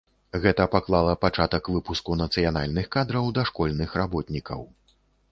Гэта паклала пачатак выпуску нацыянальных кадраў дашкольных работнікаў.